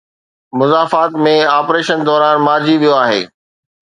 مضافات ۾ operation دوران مارجي ويو آهي.